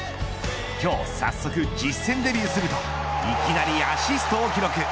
今日、早速実戦デビューするといきなりアシストを記録。